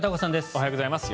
おはようございます。